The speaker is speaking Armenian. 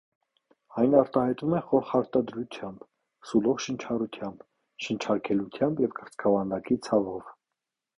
Այն արտահայտվում է խորխարտադրությամբ, սուլող շնչառությամբ, շնչարգելությամբ և կրծքավանդակի ցավով։